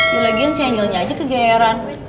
dulu lagi yang si anjelnya aja kegayaran